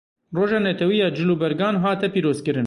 Roja netewî ya cilûbergan hate pîroz kirin.